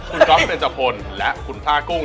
คุณก๊อฟเต็มจับครับและคุณพรากุ้ง